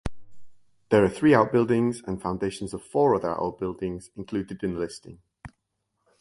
There are three outbuildings and foundations of four other outbuildings included in the listing.